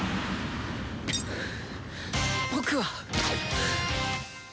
僕は。